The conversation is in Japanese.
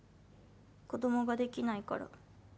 子供ができないから。